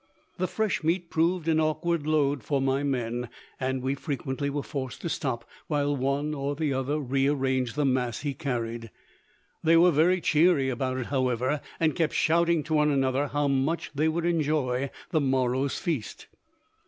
The fresh meat proved an awkward load for my men, and we frequently were forced to stop while one or the other re arranged the mass he carried. They were very cheery about it, however, and kept shouting to one another how much they would enjoy the morrow's feast.